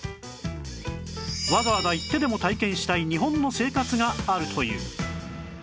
わざわざ行ってでも体験したい日本の生活があるという